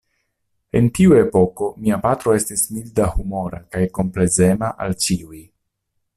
En tiu epoko mia patro estis mildahumora kaj komplezema al ĉiuj.